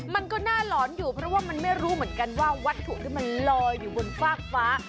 มันก็น่าหลอนอยู่เพราะว่ามันไม่รู้เหมือนกันว่าวัตถุที่มันลอยอยู่บนฟากฟ้า